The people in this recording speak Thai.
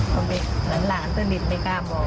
เขาเป็นหลานต้นลิ้นไม่กล้าบอก